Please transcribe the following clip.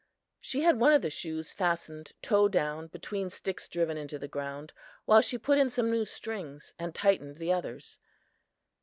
She had one of the shoes fastened toe down, between sticks driven into the ground, while she put in some new strings and tightened the others.